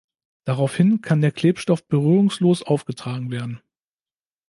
Daraufhin kann der Klebstoff berührungslos aufgetragen werden.